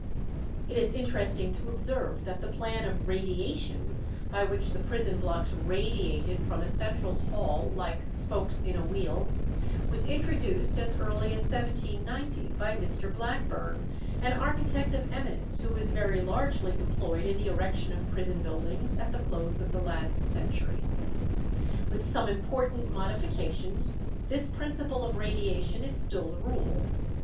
It is interesting to observe that the plan of "radiation," by which the prison blocks radiated from a central hall, like spokes in a wheel, was introduced as early as 1790 by Mr. Blackburn, an architect of eminence who was very largely employed in the erection of prison buildings at the close of the last century. With some important modifications this principle of radiation is still the rule.